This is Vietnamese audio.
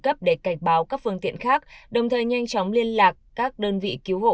cấp để cảnh báo các phương tiện khác đồng thời nhanh chóng liên lạc các đơn vị cứu hộ